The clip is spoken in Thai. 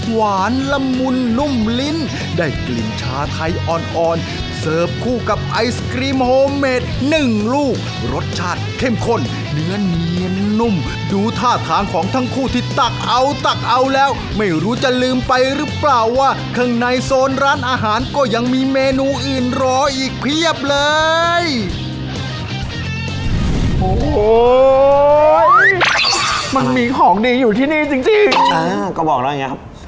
หวานละมุนนุ่มลิ้นได้กลิ่นชาไทยอ่อนอ่อนเสิร์ฟคู่กับไอศกรีมโฮมเมดหนึ่งลูกรสชาติเข้มข้นเนื้อเนียนนุ่มดูท่าทางของทั้งคู่ที่ตักเอาตักเอาแล้วไม่รู้จะลืมไปหรือเปล่าว่าข้างในโซนร้านอาหารก็ยังมีเมนูอื่นรออีกเพียบเลยโอ้โหมันมีของดีอยู่ที่นี่จริงจริงอ่าก็บอกได้ไงครับ